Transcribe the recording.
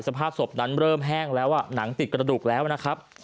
สภาพศพนั้นเริ่มแห้งแล้วหนังติดกระดูกแล้วนะครับ